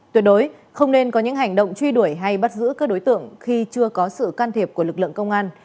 tuyệt đối không nên có những hành động truy đuổi hay bắt giữ các đối tượng khi chưa có sự can thiệp của lực lượng công an